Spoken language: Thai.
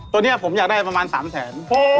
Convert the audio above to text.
ตัวนี้ผมอยากได้ประมาณ๓แสน